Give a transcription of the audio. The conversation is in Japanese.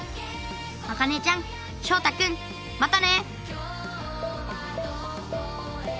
あかねちゃん翔太君またね！